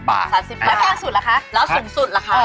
แล้วแพงสุดล่ะคะแล้วสูงสุดล่ะคะ